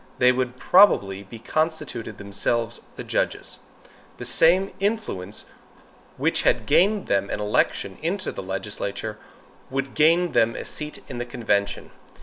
They would probably be constituted themselves the judges. The same influence which had gained them an election into the legislature, would gain them a seat in the convention.